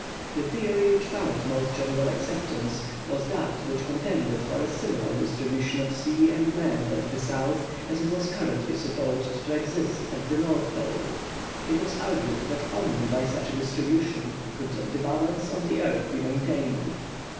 The theory which found most general acceptance was that which contended for a similar distribution of sea and land at the South as was currently supposed to exist at the North Pole. It was argued that only by such a distribution could the balance of the earth be maintained.